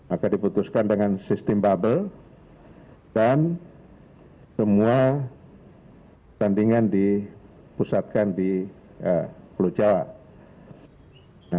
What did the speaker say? akan diputuskan dengan sistem bubble dan semua tandingan dipusatkan di pulau jawa